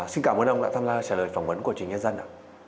xin cảm ơn ông đã tham gia trả lời phỏng vấn của chính nhân dân